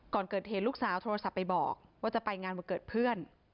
ก่อนเกิดเหตุลูกสาวโทรศัพท์ไปบอกว่าจะไปงานวันเกิดเพื่อน